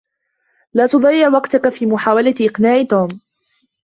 لا تضيّع وقتك في محاولة اقناع توم.